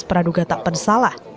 peraduga tak pensalah